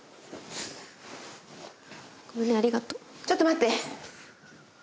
ちょっと待って。